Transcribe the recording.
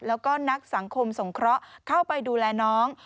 แล้วก็นักสังคมสงเคราะห์เข้าไปดูแลน้อง